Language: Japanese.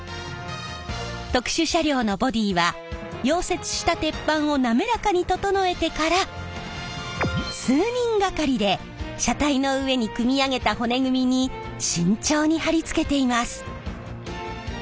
特殊車両のボディーは溶接した鉄板を滑らかに整えてから数人掛かりで車体の上に組み上げた骨組みに慎重にはり付けています。